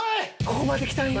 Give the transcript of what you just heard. ここまできたんや。